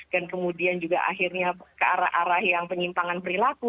dan kemudian juga akhirnya ke arah arah yang penyimpangan perilaku